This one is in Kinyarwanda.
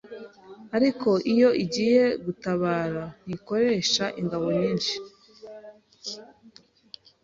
ariko iyo igiye gutabara ntikoresha ingabo nyinshi